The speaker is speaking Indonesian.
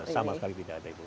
sama sekali tidak ada ibu